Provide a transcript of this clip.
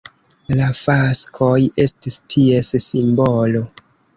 La faskoj estis ties simbolo.